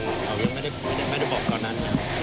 คุณเราก็เป็นกับประโหลทุนแล้วแล้วมีการแจ้งอะไรกับไป